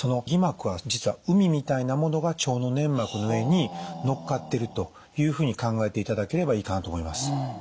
偽膜は実はうみみたいなものが腸の粘膜の上に乗っかってるというふうに考えていただければいいかなと思います。